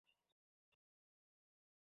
পোস্টারের অভিনেত্রীর নাম লাগবে।